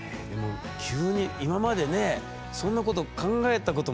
急に今までねそんなこと考えたこともないでしょう？